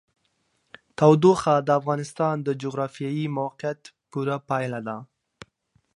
تودوخه د افغانستان د جغرافیایي موقیعت پوره پایله ده.